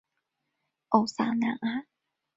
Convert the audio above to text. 奥萨南岸。